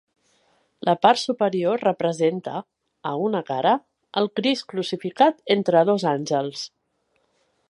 La part superior representa, a una cara, el Crist crucificat entre dos àngels.